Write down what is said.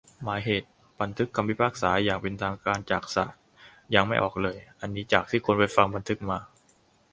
หมายเหตุ : บันทึกคำพิพากษาอย่างเป็นทางการจากศาล ยังไม่ออกเลย. อันนี้จากที่คนไปฟังบันทึกมา